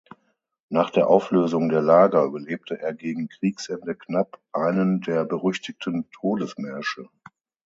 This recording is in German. Nach der Auflösung der Lager überlebte er gegen Kriegsende knapp einen der berüchtigten Todesmärsche.